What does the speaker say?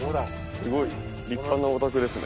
すごい立派なお宅ですね。